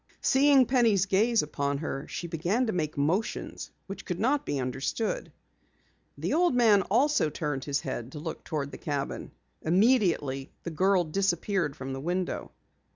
Seeing Penny's gaze upon her, she began to make motions which could not be understood. The old man also turned his head to look toward the cabin. Immediately, the girl disappeared from the window.